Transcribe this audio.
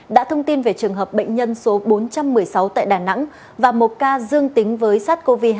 đã thông tin về trường hợp bệnh nhân số bốn trăm một mươi sáu tại đà nẵng và một ca dương tính với sars cov hai